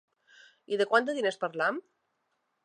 I de quants diners parlem?